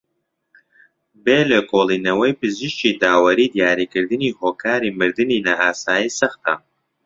بێ لێکۆڵێنەوەی پزیشکی داوەریی دیاریکردنی هۆکاری مردنی نائاسایی سەختە